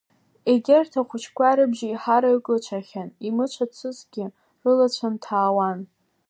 Егьырҭ ахәыҷқәа рыбжеиҳараҩык ыцәахьан, имыцәацызгьы рылацәа нҭаауан.